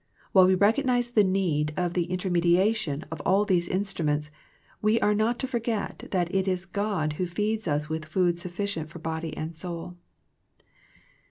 While we recognize the need of the intermediation of all these instru ments, we are not to forget that it is God who feeds us with food sufficient for body and soul.